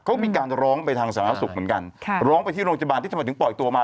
เขามีการร้องไปทางสาธารณสุขเหมือนกันค่ะร้องไปที่โรงพยาบาลที่ทำไมถึงปล่อยตัวมา